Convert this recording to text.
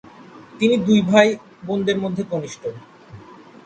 তিনি দুই ভাই বোনদের মধ্যে কনিষ্ঠ।